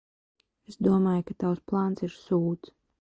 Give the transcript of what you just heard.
Es domāju, ka tavs plāns ir sūds.